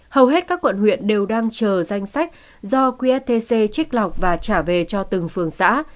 hầu hết các quận huyện đều đang chờ danh sách do qst trích lọc và trả về cho từng phường xã